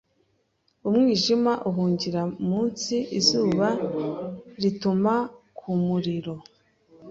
Umwijima uhungira mu nsi Izuba rituma ku muriro